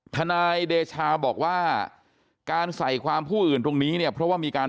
นายเดชาบอกว่าการใส่ความผู้อื่นตรงนี้เนี่ยเพราะว่ามีการ